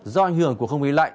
do ảnh hưởng của không khí lạnh